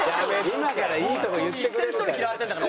今からいいとこ言ってくれるから。